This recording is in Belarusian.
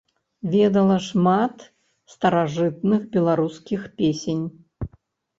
Ведала шмат старажытных беларускіх песень.